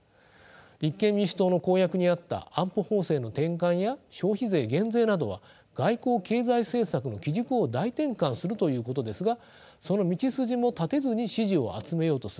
立憲民主党の公約にあった安保法制の転換や消費税減税などは外交・経済政策の基軸を大転換するということですがその道筋も立てずに支持を集めようとする。